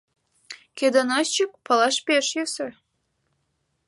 Кӧ доносчик, палаш пеш йӧсӧ.